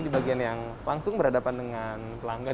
di bagian yang langsung berhadapan dengan pelanggan